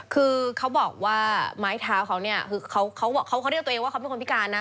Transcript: คือเขาบอกว่าไม้เท้าเขาเนี่ยคือเขาเรียกตัวเองว่าเขาเป็นคนพิการนะ